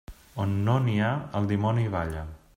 On no n'hi ha, el dimoni hi balla.